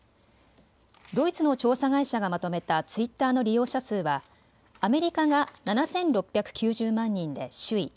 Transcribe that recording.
ドイツの調査会社がまとめたツイッターの利用者数はアメリカが７６９０万人で首位。